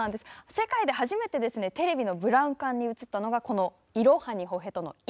世界で初めてですねテレビのブラウン管に映ったのがこの「イロハニホヘト」の「イ」。